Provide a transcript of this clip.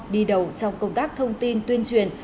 đi đầu trong công tác thông tin tuyên truyền